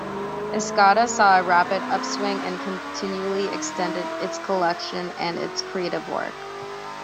Escada saw a rapid upswing and continually extended its collections and its creative work.